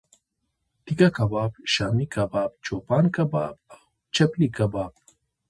تیکه کباب، شامی کباب، چوپان کباب او چپلی کباب